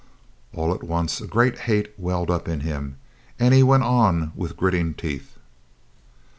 All at once a great hate welled up in him, and he went on with gritting teeth.